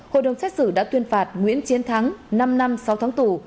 hội đồng xét xử đã tuyên phạt nguyễn chiến thắng năm năm sáu tháng tù